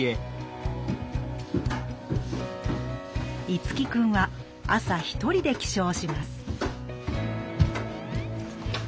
樹くんは朝一人で起床します